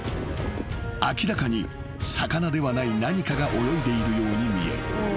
［明らかに魚ではない何かが泳いでいるように見える］